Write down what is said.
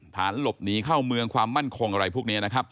ฐานหลบหนีเข้าเมืองความมั่นคงอะไรพวกนี้นะครับ